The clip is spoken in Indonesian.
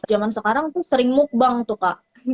zaman sekarang tuh sering mukbang tuh kak